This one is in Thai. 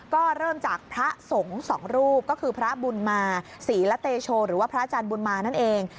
ก็เริ่มจากพระสงฆ์สองรูปก็คือพระบุญมาศรีละเตโชหรือว่าพระอาจารย์บุญมานั่นเอง